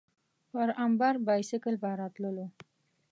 پر امبر بایسکل به راتللو.